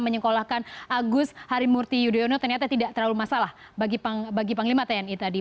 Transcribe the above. menyekolahkan agus harimurti yudhoyono ternyata tidak terlalu masalah bagi panglima tni tadi